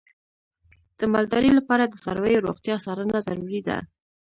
د مالدارۍ لپاره د څارویو روغتیا څارنه ضروري ده.